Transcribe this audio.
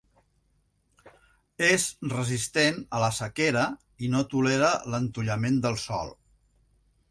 És resistent a la sequera i no tolera l'entollament del sòl.